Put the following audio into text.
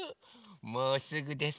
もうすぐですよ。